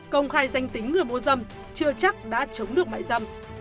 công khai danh tính người mua dâm chưa chắc đã chống được mại dâm